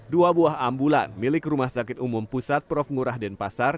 dua buah ambulan milik rumah sakit umum pusat prof ngurah denpasar